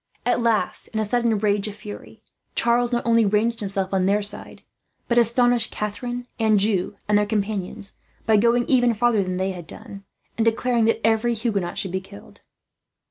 At last, in a sudden access of fury, Charles not only ranged himself on their side, but astonished Catharine, Anjou, and their companions by going even farther than they had done, and declaring that every Huguenot should be killed.